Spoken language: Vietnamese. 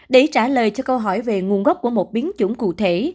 để trả lời cho câu hỏi về nguồn gốc của một biến chủng cụ thể